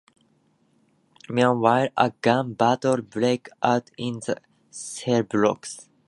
Meanwhile, a gun battle breaks out in the cell block.